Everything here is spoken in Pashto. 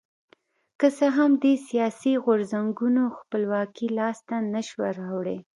که څه هم دې سیاسي غورځنګونو خپلواکي لاسته نه شوه راوړی.